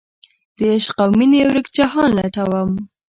دعشق اومینې ورک جهان لټوم